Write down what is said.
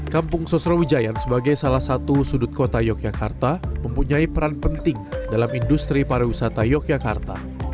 kampung sosrawijayan sebagai salah satu sudut kota yogyakarta mempunyai peran penting dalam industri para wisata yogyakarta